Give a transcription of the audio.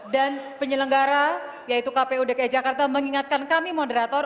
dan penyelenggara yaitu kpu dki jakarta mengingatkan kami moderator